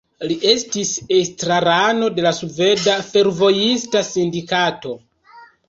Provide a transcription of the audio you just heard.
Li estis estrarano de la Sveda Fervojista Sindikato.